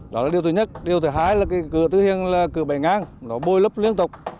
đó là điều thứ nhất điều thứ hai là cửa tư hiền là cửa bày ngang nó bôi lấp liên tục